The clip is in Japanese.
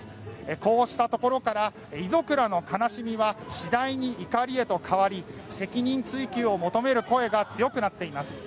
こうしたところから遺族らの悲しみは次第に怒りへと変わり責任追及を求める声が強くなっています。